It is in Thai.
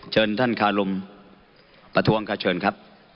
เชิญท่านคารมประท้วงค่ะเชิญครับ